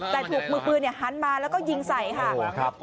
แต่ถุกมือปื้นนี่หันมาแล้วก็ยิงใส่ค่ะโอ้โหครับ